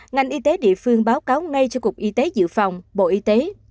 ngành y tế địa phương báo cáo ngay cho cục y tế dự phòng bộ y tế